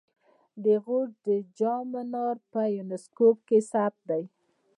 د غور د جام منار په یونسکو کې ثبت دی